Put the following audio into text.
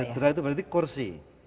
katedra itu berarti kursi